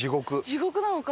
地獄なのか。